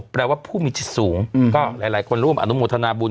แปลว่าผู้มีจิตสูงก็หลายคนร่วมอนุโมทนาบุญ